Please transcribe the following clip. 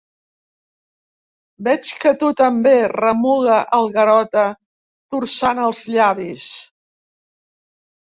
Veig que tu també —remuga el Garota, torçant els llavis.